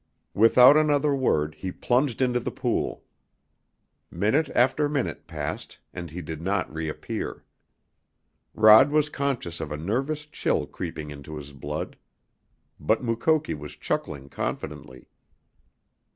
Without another word he plunged into the pool. Minute after minute passed, and he did not reappear. Rod was conscious of a nervous chill creeping into his blood. But Mukoki was chuckling confidently.